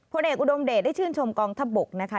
เอกอุดมเดชได้ชื่นชมกองทัพบกนะคะ